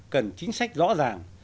cần chính sách rõ ràng